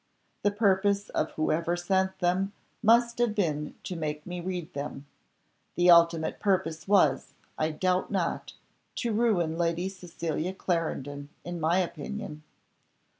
The purpose of whoever sent them must have been to make me read them; the ultimate purpose was, I doubt not, to ruin Lady Cecilia Clarendon in my opinion."